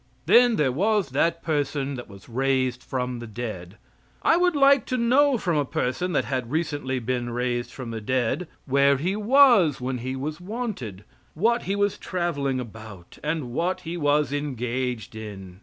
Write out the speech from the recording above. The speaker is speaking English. Then there was that person that was raised from the dead. I would like to know from a person that had recently been raised from the dead, where he was when he was wanted, what he was traveling about, and what he was engaged in.